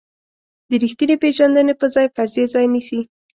د ریښتینې پېژندنې په ځای فرضیې ځای نیسي.